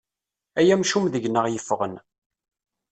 Ay amcum deg-neɣ yeffɣen.